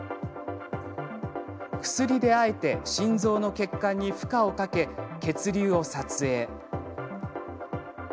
薬であえて心臓の血管に負荷をかけ、血流を撮影。